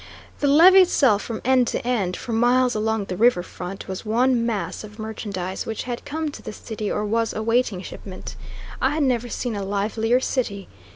The levee itself, from end to end, for miles along the river front, was one mass of merchandise which had come to the city, or was awaiting shipment. I had never seen a livelier city.